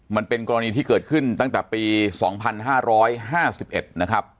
มันเป็นกรณีที่เกิดขึ้นตั้งแต่ปี๒๕๕๑นะครับ